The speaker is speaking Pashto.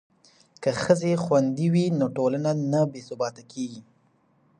که ښځې خوندي وي نو ټولنه نه بې ثباته کیږي.